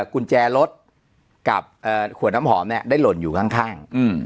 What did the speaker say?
กุญแจรถกับเอ่อขวดน้ำหอมเนี้ยได้หล่นอยู่ข้างข้างอืม